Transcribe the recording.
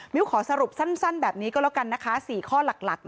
ขอสรุปสั้นแบบนี้ก็แล้วกันนะคะ๔ข้อหลัก